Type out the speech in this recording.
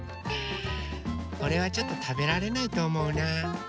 これはちょっとたべられないとおもうなうん。